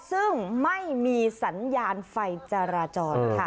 ซึ่งไม่มีสัญญาณไฟจราจรค่ะ